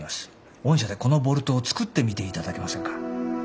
御社でこのボルトを作ってみていただけませんか？